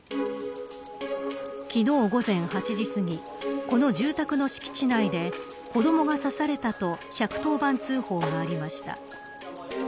昨日、午前８時すぎこの住宅の敷地内で子どもが刺されたと１１０番通報がありました。